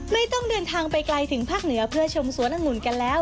ไม่ต้องเดินทางไปไกลถึงภาคเหนือเพื่อชมสวนองุ่นกันแล้ว